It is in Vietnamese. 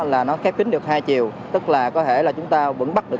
là nó khép kính được hai chiều tức là có thể là chúng ta vẫn bắt được